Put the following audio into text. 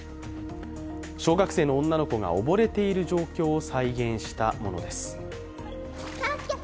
小学生の女の子が溺れている状況を再現したものです。